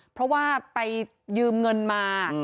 เพราะว่าไปยืมเงินมา